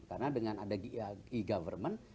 karena dengan ada e government